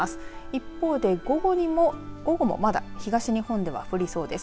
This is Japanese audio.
一方で午後もまだ東日本では降りそうです。